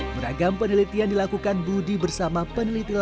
beragam penelitian dilakukan budi bersama peneliti